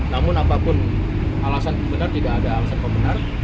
namun apapun alasan benar tidak ada alasan pembenar